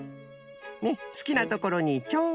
ねっすきなところにチョン。